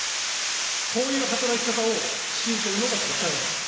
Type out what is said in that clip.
こういう働き方を強いているのが国会なんです。